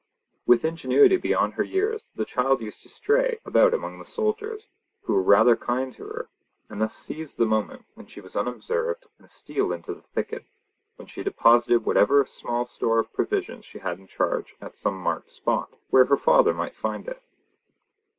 With ingenuity beyond her years, the child used to stray about among the soldiers, who were rather kind to her, and thus seize the moment when she was unobserved and steal into the thicket, when she deposited whatever small store of provisions she had in charge at some marked spot, where her father might find it.